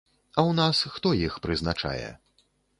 А у нас хто іх прызначае?